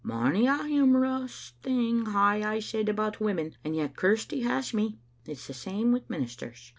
Mony a humor ous thing hae I said about women, and yet Chirsty has me. It's the same wi' ministers.